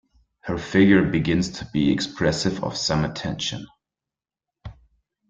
Her figure begins to be expressive of some attention.